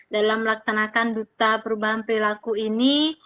dalam melaksanakan duta perubahan perilaku ini